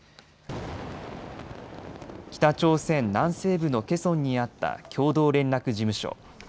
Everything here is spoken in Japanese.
北朝鮮南西部のケソンにあった共同連絡事務所。